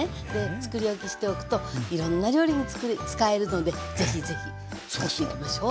つくり置きしておくといろんな料理に使えるので是非是非つくっていきましょう。